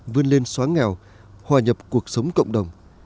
vươn lên xóa nghèo hòa nhập cuộc sống cộng đồng